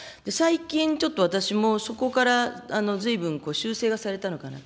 最近、ちょっと私もそこからずいぶん修正がされたのかなと。